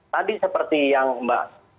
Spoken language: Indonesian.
tadi seperti yang mbak